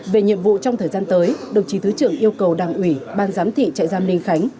về nhiệm vụ trong thời gian tới đồng chí thứ trưởng yêu cầu đảng ủy ban giám thị trại giam ninh khánh